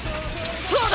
そうだ！